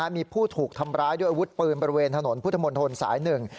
มีผู้ถูกทำร้ายด้วยอาวุธปืนบริเวณถนนพุทธมนตรสายหนึ่ง